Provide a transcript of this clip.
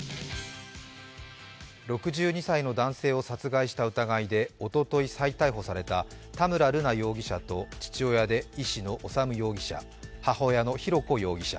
６２歳の男性を殺害した疑いでおととい逮捕された田村瑠奈容疑者と父親で医師の修容疑者、母親の浩子容疑者。